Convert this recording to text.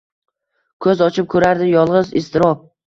Ko’z ochib ko’rardi yolg’iz iztirob.